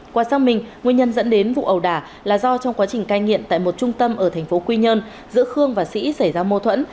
qua xác minh nguyên nhân dẫn đến vụ ẩu đả là do trong quá trình cai nghiện tại một trung tâm ở thành phố quy nhơn giữa khương và sĩ xảy ra mâu thuẫn